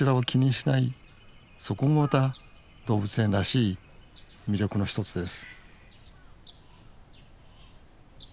そこもまた動物園らしい魅力の一つです